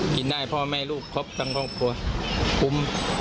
กินได้พ่อแม่ลูกครบทั้งครอบครัวคุ้ม